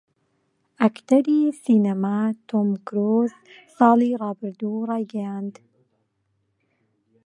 ئەکتەری سینەما تۆم کرووز ساڵی ڕابردوو ڕایگەیاند